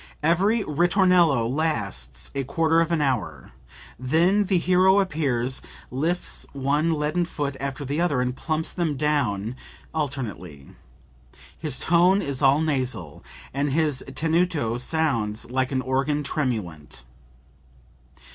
Every ritornello lasts a quarter of an hour; then the hero appears, lifts one leaden foot after the other and plumps them down alternately. His tone is all nasal, and his tenuto sounds like an organ tremulant."